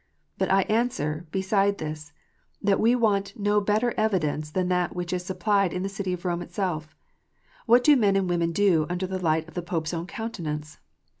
But I answer, beside this, that we want no better evidence than that which is supplied in the city of Eome itself. What do men and women do under the light of the Pope s own countenance?